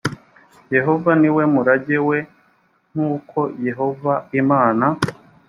yehova ni we murage we nk uko yehova imana